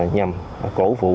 nhằm cổ vũ